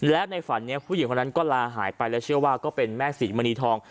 และในฝันนี้ผู้หญิงคนนั้นก็ลาหายไปและเชื่อว่าก็เป็นแม่ศรีมณีทอง